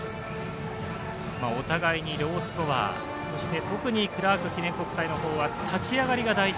お互いにロースコアそして特にクラーク記念国際の方は立ち上がりが大事。